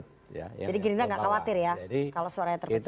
jadi gerindra gak khawatir ya kalau suaranya terpecah